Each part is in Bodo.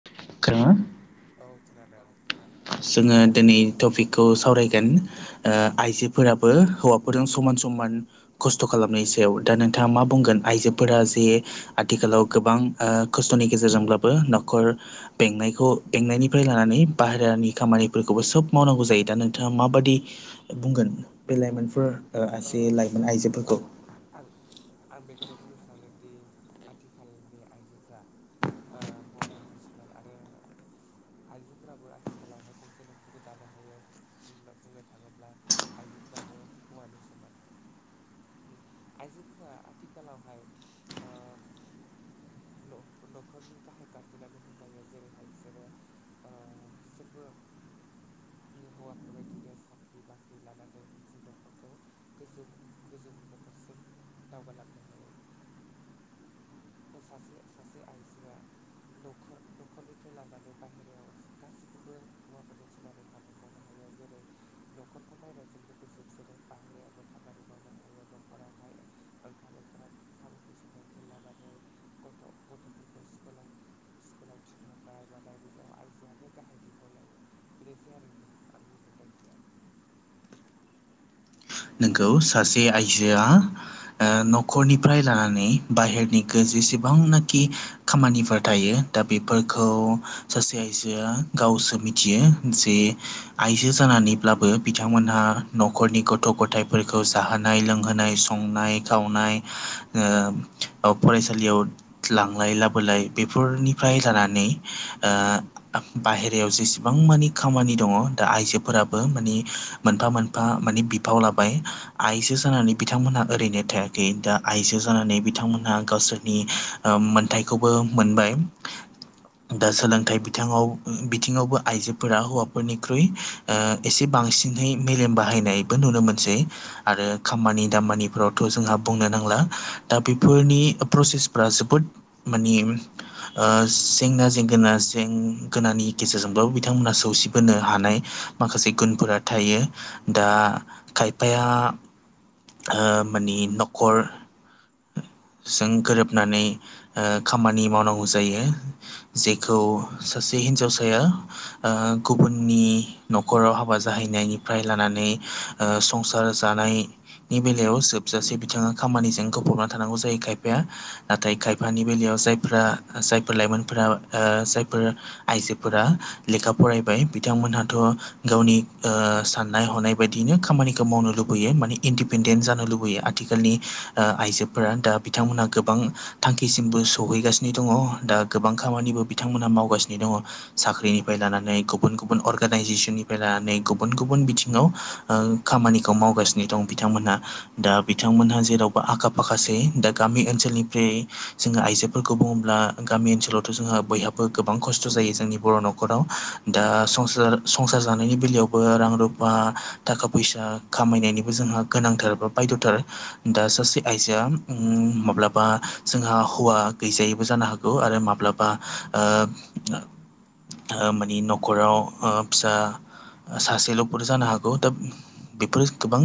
[unintelligible] औ खोनादों। जोङो दिनै टपिकखौ सावरायगोन आइजोफोराबो हौवाफोरजों समान समानै खस्थ' खालामनायनि सायाव दा नोंथाङा मा बुंगोन आइजोफोरा जे आथिखालाव गोबां खस्थ'नि गेजेरजोंब्लाबो न'खराव बेनायखौ बेंनायनिफ्राय लानानै बाहेरानि खामानिफोरखौबो सोब मावनांगौ जायो दा नोंथाङा माबादि बुंगोन बे लाइमोनफोर ओ लाइमोन आइजोफोरखौ आं बेखौनो बुंनो सानोदि आथिखालनि आइजोफ्रा हौवाफोरजों समान आरो। आइजोफोराबो आथिखालावहाय गंसे न'खरखौ दानो हायो। बुं बुंनो थाङोब्ला आइजोफ्राबो हौवानि समान आइजोफोरा आथिखालावहाय ओ न'खरनि गाहाय गारजेनानो होनजायो जेरैहाय बिसोरो ओ ओ बिसोरबो हौवाफोरबायदिनो साख्रि बाख्रि लानानै मोनसे न'खरखौ गोजौ गोजौ न'खरसिम दावगालांनो हायो। सासे सासे आइजोआ नखर न'खरनिफ्राय लानानै बायेरायाव गासैखौबो हौवाफोरजों समानै हाबो। मावनो हायो जेरै न'खरखौ नायनायजों लोगोसे बिसोरो बाहेरायावबो खामानि मावनो हायो। नखरावहाय ओंखाम ओंखाम ओंख्रि संखौ लानानै। गथ' गथ'फोरखौ स्कुल स्कुलाव थिनहरनाय मानाय बिोराव आयजोआनो गाहाय बि आ लायो बेनोसै आरो आंनि मोन्दांथिया नोंगौ सासे आइजोआ ओ न'खरनिफ्राय लानानै बाहेरनि जेसेबांनाखि ओ खामानिफोर थायो दा बेफोरखौ सासे आइजोआ गावसो मिथियो जे आइजो जानानैब्लाबो बिथांमोनहा न'खरनि' गथ' गथायफोरखौ जाहोनाय लोंहोनाय संनाय खावनाय फरायसालियाव लांलाय लाबोलाय बेफोरनिफ्राय लानानै बाहेरायाव जेसेबां मानि खामानि दङ दा आइजोफोराबो मानि मोनफा मोनफा मानि बिफाव लाबाय आइजो जानानै बिथांमोनहा ओरैनो थायाखै दा आइजो जानानै बिथांमोनहा गावसोर नि मोनथायखौबो मोनबाय दा सोलोंथाइ बिथाङाव बिथिङावबो आइजोफोरा हौवाफोरनिख्रुइ एसे बांसिनै मेलेम बाहायनायबो नुनो मोनसै आरो खामानि दामानिफ्रावथ' जोंहा बुंनो नांला दा बेफोरनि प्रसेसफ्रा जोबोद मानि जेंना जेंगोना जेंगोनानि गेजेरजोंबाबो बिथांमोना सौसिबोनो हानाय माखासे गुनफोरा थायो दा खायफाया माने न'खर जों गोरोबनानै खामानि मावनांगौ जायो जेखौ सासे हिन्जावसाया गुबुननि न'खराव हाबा जाहैनायनिफ्राय लानानै ओ संसार जानाय नि बेलायाव जोबजासे बिथाङा खामानिजों गफबना थानांगौ जायो खायफाया नाथाय खायफानि बेलायाव जायफोरा जायफोर लाइमोनफोरा जायफोरा आइजोफोरा लेखा फरायबाय बिथांमोनहाथ' गावनि साननाय हनाय बायदिनो खामानिखौ मावनो लुबैयो माने इदि दिपेेनडेन्ट जानो लुबैयो आथिखालनि आइजोफोरा दा बिथांमोनहा गोबां थांखिसिमबो सहैगासिनो दङ दा गोबां खामानिबो बिथांमोनहा मावगासिनो दङ साख्रिनिफ्राय लानानै गुबुन गुबुन अर्गेनाइजेसननिफ्राय लानानै गुबुन गुबुन बिथिङाव खामानिखौ मावगासिनो दं बिथांमोनहा दा बिथांमोनहा जेरावबो आखा फाखासै दा गामि ओनसोलनिफ्राय जोङो आइजोफोरखौ बुङोब्ला गामि ओनसोलावथ' जोंहा बयहाबो गोबां खस्थ' जायो जोंनि बर' न'खराव दा संसार संसार जानायनि बेलायावबो रां रुफा थाखा फैसा खामायनायनिबो जोंहा गोनांथार बा बायघ'थार दा सासे आइजोआ माब्लाबा जोंहा हौवा गैजायैबो जानो हागौ आरो माब्लाबा मानि न'खराव फिसा सासेल'फोर जानो हागौ दा बेफोरो गोबां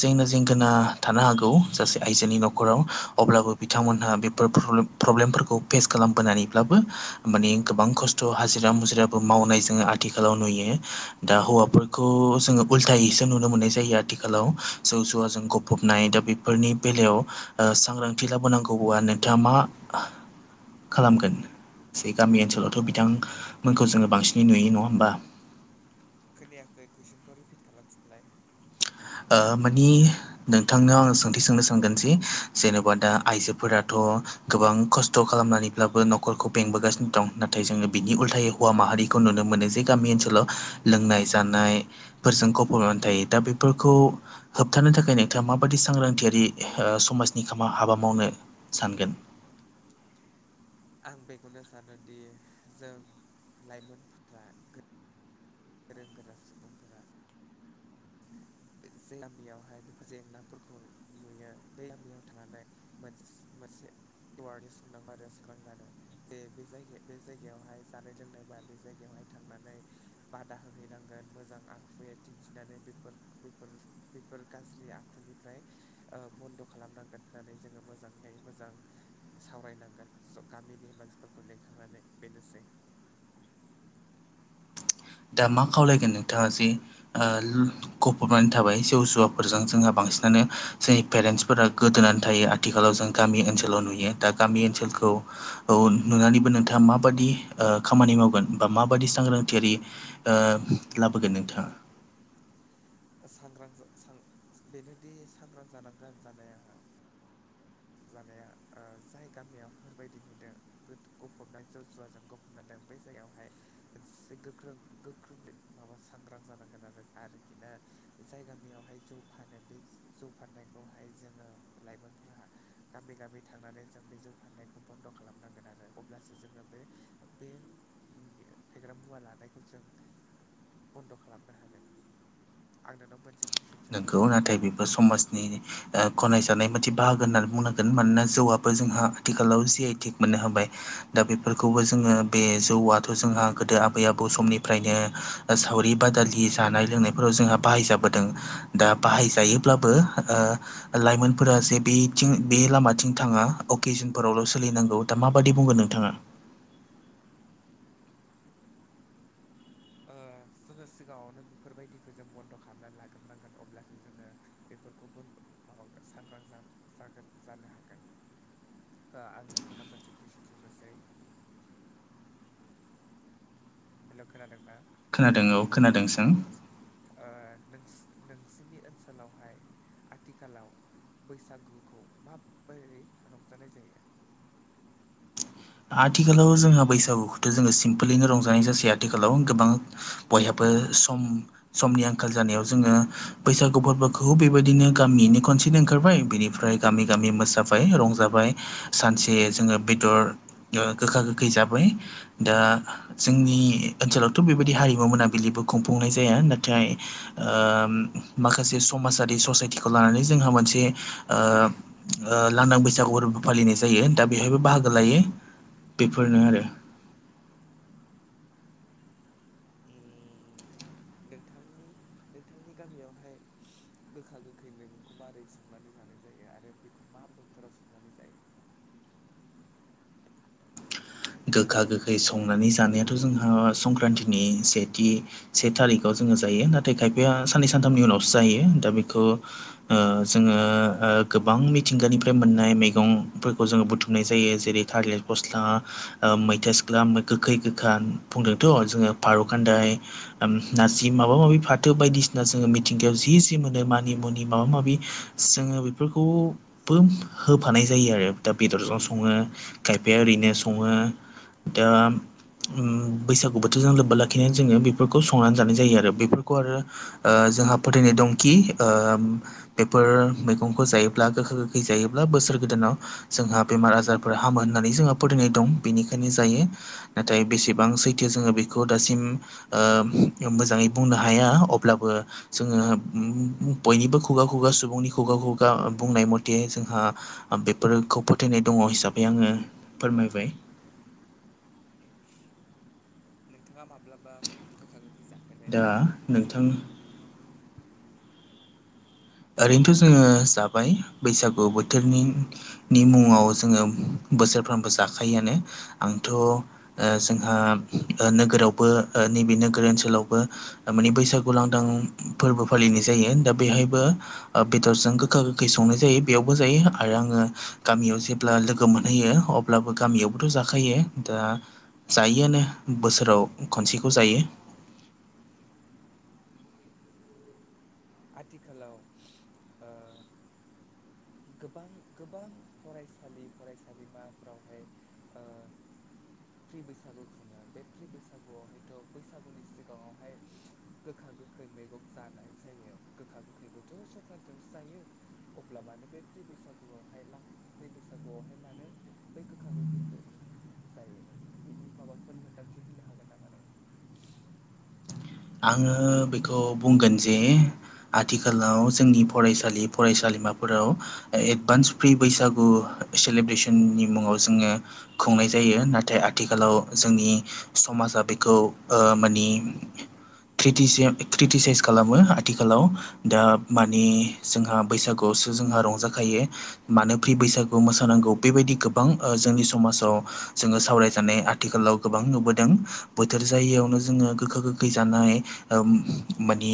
जेंना जेंगोना थानो हागौ सासे आइजोनि न'खराव अब्लाबो बिथांमोनहा बेफोर प्रब्लेम प्रब्लेमफोरखौ फेस खालामबोनानैब्लाबो माने गोबां खस्थ' हाजिरा मुजिराबो मावनायजों आ आथिखालाव नुयो दा हौवाफोरखौ जोङो उल्थायैसो नुनो मोननाय जायो आ [unintelligible] आथिखालाव जौ जौवाजों गफबनाय दा बेफोरनि बेलायाव सांग्रांथि लाबोनांगौब्ला नोंथाङा मा खालामगोन जों गामि ओनसोलावथ' बिथांमोनखौ जोङो बांसिनै नुयो नङा होमबा खोनायाखै कुइसनखौ रिपिट खालामफिनलाय ओ माने नोंथांनाव आं सोंथि सोंनो सानगोन जि जेन'बा दा आइजोफोराथ' गोबां खस्थ' खालामनानैब्लाबो न'खरखौ बेंबोगासिनो दं नाथाय जोङो बिनि उल्थायाव हौवा माहारिखौ नुनो मोनो जे गामि ओनसोलाव लोंनाय जानाय फोरजों गफब'नानै थायो दा बेफोरखौ होबथानो थाखाय नोंथाङा माबायदि सांग्रांथियारि समाजनि खामानि हाबा मावनो सानगोन आं बेखौनो सानोदि जों लाइमोनफोरा गोरों गोरा सुबुंफोरा जे गामियावहाय बेफोर जेंनाफोरखौ नुयो बे गामियाव थांनानै मोनसे मोनसे एवार्डनेस खोंनांगौ आरो साग्रां जानो [unintelligible] दे बे जायगायाव बे जायगायावहाय जानाय लोंनाय बा बे जायगायावहाय थांनानै बादा होहैनांगोन मोजां आखुयै दिन्थिनानै बेफोर बेफोर बेफोर गाज्रि आखुनिफ्राय बन्द' खालामनांगोन होननानै जोङो मोजाङै मोजां। सावरायनांगोन' गामिनि मानसिफोरखौ लिंखांनानै बेनोसै। दा मा खावलायगोन नोंथाङा जे ओ गफबनानै थाबाय जौ जुवाफोरजों जोंहा बांसिनानो जोंनि पेरेन्टसफोरा गोदोनानै थायो। आथिखालाव जों गामि ओनसोलाव नुयो दा गामि ओनसोलखौ। औ नुनानैबो नोंथाङा माबादि खामानि मावगोन बा माबादि सांग्रांथियारि लाबोगोन नोंथाङा सांग्रां बेनोदि सांग्रां जानांगोन जानाया। जानाया आ जाय गामियाव हरबायदि नुदों गफबनाय जौ जुवाजों गफब दों बे जायगायावहाय मोनसे गोख्रों गोख्रों माबा सांग्रां जानांगोन आरो आरोखि ना। जाय गामियावहाय जौ फानो बे जौ फाननायखौहाय जोङो लाइमोनफोराहा। गामि गामि थांनानै जों बे जौ फाननायखौ बन्द' खालामनांगोन आरो अब्लासो जोङो बे बे। फेग्रा मुवा लानायखौ जों बन्द' खालामनो हागोन। आं नोंनाव मोन नंगौ नाथाय बेबो समाजनि गनायजानाय बादि बाहागो होननानै बुंनांगोन मानोना जौआबो जोंहा आथिखालाव जि आइ टि मोननो हाबाय। दा बेफोरखौबो जोङो बे जौआथ' जोंहा गोदो आबै आबौ समनिफ्रायनो। सावरि बादालि जानाय लोंनायफोराव जोंहा बाहायजाबोदों। दा बाहायजायोब्लाबो ओ लाइमोनफोरा जे बेथिं बे लामाथिं थाङा अकेजनफोरावल' सोलिनांगौ। दा माबायदि बुंगोन नोंथाङा? जोङो सिगाङावनो बेफोरबायदिखौ जों बन्द' खालामनानै लाग्रोनांगोन अब्लासो जोङो बेफोरखौ बन्द माबा सांग्रां जानो हागोन। [inaudible] आं नोंथांनाव मोनसे कुइसन सोंनोसै। हेल' खोनादों‌ ना? खोनादों औ खोनादों सों? नों नोंसिनि ओनसोलावहाय आथिखालाव बैसागुखौ माबोरै रंजानाय जायो? आथिखालाव जोंहा बैसागुखौथ' जोङो सिमपोलैनो रंजानाय जासै आथिखालाव गोबां बयहाबो सम समनि आंखाल जानायाव जोङो बैसागु फोरबोखौ बेबायदिनो गामिनि खनसेनो ओंखारबाय बेनिफ्राय गामि गामि मोसाबाय रंजाबाय। सानसे जोङो बेदर गोखा गोखै जाबाय। दा जोंनि ओनसोलावथ' बेबायदि हारिमु मोनाबिलिबो खुंफुंनाय जाया नाथाय माखासे समाजारि ससाइटिखौ लानानै जोंहा मोनसे ओ लांदां बैसागु फोरबो फालिनाय जायो दा बेवहायबो बाहागो लायो। बेफोरनो आरो। नोंथांनि नोंथांनि गामियावहाय गोखा गोखै मैगंखौ माबोरै संनानै जानाय जायो आरो बेखौ मा बोथोराव संनानै जायो। गोखा गोखै संनानै जानायाथ' जोंहा संक्रान्तिनि सेथि से थारिखाव जोङो जायो नाथाय खायफाया साननै सानथामनि उनावसो जायो दा बेखौ जोङो गोबां मिथिंगानिफ्राय मोननाय मैगंफोरखौ जोङो बुथुमनाय जायो जेरै- थालेर पस्ला, मैथा सिख्ला गोखै गोखा बुंदोंथ' जोङो फारौखान्दाय नार्जि माबा माबि फाथो बायदिसिना जोङो मिथिंगायाव जि जि मोनो मानि मुनि माबा माबि जोङो बेफोरखौबो होफानाय जायो आरो दा बेदरजों सङो। खायफाया ओरैनो सङो। दा बैसागु बोथोरजों लोब्बा लाखिनानै जोङो बेफोरखौ संनानै जानाय जायो आरो बेफोरखौ आरो जोंहा फोथायनाय दंखि बेफोर मैगंखौ जायोब्ला गोखा गोखै जायोब्ला बोसोर गोदानाव जोंहा बेमार आजारफोरा हामो होननानै जोंहा फोथायनाय दं बेनिखायनो जायो नाथाय बेसेबां सैथो जोङो बेखौ दासिम मोजाङै बुंनो हाया अब्लाबो जोङो बयनिबो खुगा खुगा सुबुंनि खुगा खुगा बुंनाय मथे जोंहा बेफोरखौ फोथायनाय दङ हिसाबै आङो फोरमायबाय नोंथाङा माब्लाबा गोखा गोखै जा दा नोंथां ओरैनोथ' जोङो जाबाय बैसागु बोथोरनि नि मुङाव जोङो बोसोरफ्रामबो जाखायोआनो आंथ' जोंहा नोगोरावबो नैबे नोगोर ओनसोलावबो माने बैसागु लांदां फोरबो फालिनाय जायो दा बेहायबो बेदरजों गोखा गोखै संनाय जायो बेयावबो जायो आरो आङो गामियाव जेब्ला लोगो मोनहैयो अब्लाबो गामियावबोथ' जाखायो दा जायोआनो बोसोराव खनसेखौ जायो आथिखालाव गोबां गोबां फरायसालि फरायसालिमाफ्रावहाय फ्रि बैसागु खुङो बे फ्रि बैसागुआवहायथ' बैसागुनि सिगाङावहाय गोखा गोखै मैगं जानाय जायो गोखा गोखैखौथ' संक्रान्तियावसो जायो अब्ला मानो बे फै बैसागुवाव हाय लां फै बैसागुवाव हाय मानो बै गोखा गोखैखौ जायो बिनि माबाफोर मोनदांथि होननो हागोन नामा नोङो आङो बेखौ बुंगोन जे आथिखालाव जोंनि फरायसालि फरायसालिमाफोराव एडभान्स फ्रि बैसागु सेलेब्रेसननि मुङाव जोङो खुंनाय जायो नाथाय आथिखालाव जोंनि समाजा बेखौ ओ मानि क्रिटिसियाम क्रिटिसाइस खालामो आथिखालाव दा माने जोंहा बैसागुआवसो जोंहा रंजाखायो मानो फ्रि बैसागुवाव मोसानांगौ बेबायदि गोबां जोंनि समाजाव जोङो सावरायजानाय आथिखालाव गोबां नुबोदों बोथोर जायैयावनो जोङो गोखा गोखै जानाय माने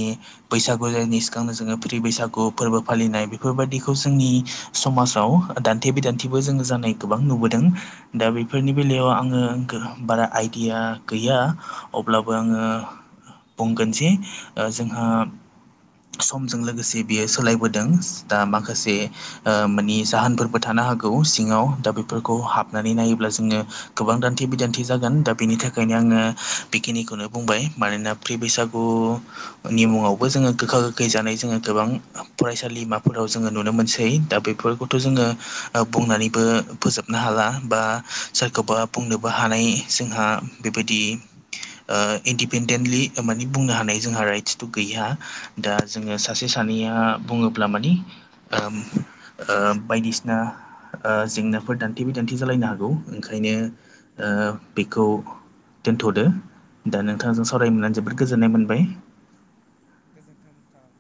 बैसागु जायनि सिगांनो जोङो फ्रि बैसागु फोरबो फालिनाय बेफोरबायदिखौ जोंनि समाजाव दान्थे बिदान्थेबो जोंङो जानाय गोबां नुबोदों दा बेफोरनि बेलायाव आङो बारा आइडिया गैया अब्लाबो आङो बुंगोन जे जोंहा समजों लोगोसे बियो सोलायबोदों दा माखासे मानि जाहोनफोरबो थानो हागौ सिङाव दा बेफोरखौ हाबनानै नायोब्ला जोङो गोबां दान्थे बिदान्थे जागोन दा बेनि था खायनो आङो बिखिनिखौनो बुंबाय मानोना फ्रि बैसागुनि मुङावबो जोङो गोखा गोखै जानाय जोङो गोबां फरायसालिमाफोराव जोङो नुनो मोनसै दा बेफोरखौथ' जोङो बुंनानैबो फोजोब नो हाला बा सोरखौबा बुंनोबो हानाय जोंहा बेबायदि ओ इन्दि पेेनडेन्टलि माने बुंनो हानाय जोंहा राइटसथ' गैया दा जोङो सासे सानैया बुङो ब्ला मानि बायदिसिना जेंनाफोर दान्थे बिदान्थे जालायनो हागौ ओंखायनो बेखौ दोनथ'दो दा नोंथांजों सावरायनो मोननानै जोबोद गोजोननाय मोनबाय गोजोनथों नोंथां